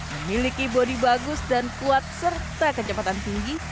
memiliki bodi bagus dan kuat serta kecepatan tinggi